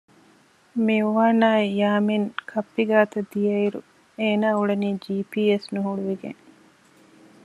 މިއުވާންއާއި ޔާމިން ކައްޕި ގާތަށް ދިޔައިރު އޭނާ އުޅެނީ ޖީޕީއެސް ނުހުޅުވިގެން